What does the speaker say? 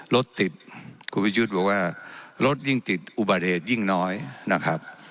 รถติดคุณประยุทธ์บอกว่ารถยิ่งติดอุบัติเหตุยิ่งน้อยนะครับ